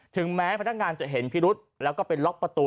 ถึงแม้พนักงานจะเห็นพิรุษแล้วก็ไปล็อกประตู